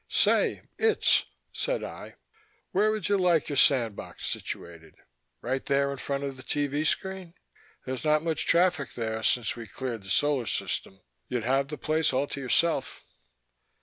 "Say, Itz," said I, "where would you like your sand box situated? Right there in front of the TV screen? There's not much traffic there, since we cleared the solar system. You'd have the place all to yourself."